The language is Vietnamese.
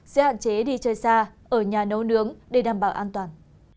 sẽ hạn chế đi chơi xa ở nhà nấu nướng để đảm bảo an toàn